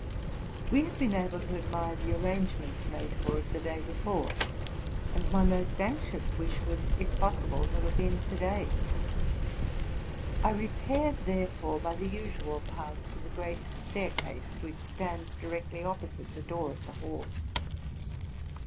We had been able to admire the arrangements made for it, the day before ; and my most anxious wish was, if possible, to look in to day. I repaired, therefore, by the usual path, to the great staircase, which stands directly opposite the door of the hall.